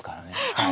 はい。